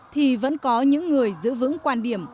thì vẫn có những người giữ vững quan điểm